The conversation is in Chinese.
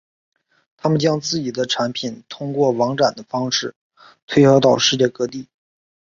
他们将自己的商品通过网展方式推销到世界各地。